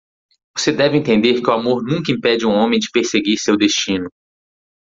Você deve entender que o amor nunca impede um homem de perseguir seu destino.